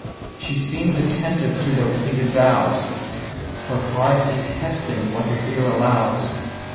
She seems attentive to their pleaded vows, Her heart detesting what her ear allows.